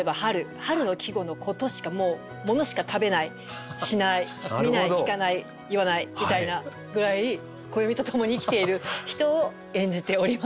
春の季語のことしかもうものしか食べないしない見ない聞かない言わないみたいなぐらい暦とともに生きている人を演じております。